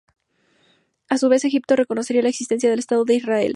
A su vez, Egipto reconocería la existencia del Estado de Israel.